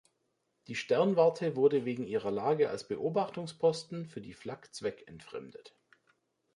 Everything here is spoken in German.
Die Sternwarte wurde wegen ihrer Lage als Beobachtungsposten für die Flak zweckentfremdet.